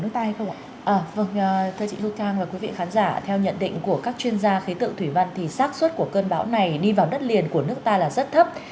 thưa quý vị khán giả theo nhận định của các chuyên gia khế tự thủy văn thì sát xuất của cơn bão này đi vào đất liền của nước ta là rất thấp